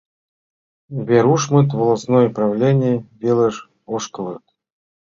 Верушмыт волостной правлений велыш ошкылыт.